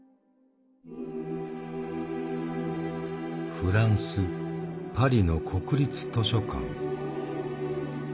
フランス・パリの国立図書館。